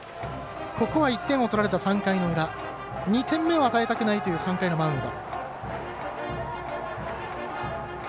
ここは１点を取られた３回の裏２点目を与えたくないという３回のマウンド。